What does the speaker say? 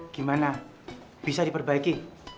gimana bisa diperbaiki